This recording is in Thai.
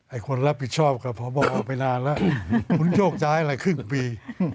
ไอ้คนรับผิดชอบก็พอบอกเอาไปนานแล้วคุณโยกจ้ายอะไรครึ่งปี